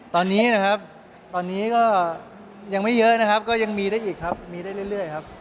ตอนนี้นะครับตอนนี้ก็ยังไม่เยอะนะครับก็ยังมีได้อีกครับมีได้เรื่อยครับ